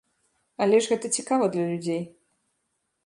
Але ж гэта цікава для людзей.